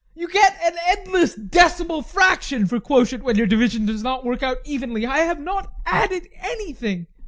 You get an endless decimal fraction for quotient when your division does not work out evenly. I have not added anything.